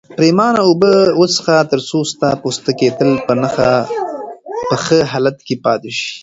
پرېمانه اوبه وڅښه ترڅو ستا پوستکی تل په ښه حالت کې پاتې شي.